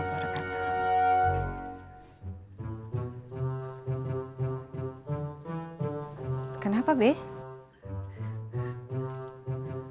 agak gue cuma pengen tahu